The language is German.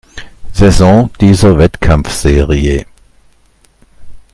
Saison dieser Wettkampfserie.